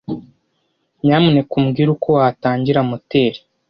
Nyamuneka umbwire uko watangira moteri.